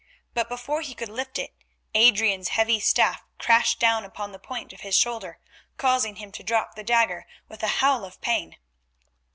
But before he could lift it Adrian's heavy staff crashed down upon the point of his shoulder, causing him to drop the dagger with a howl of pain.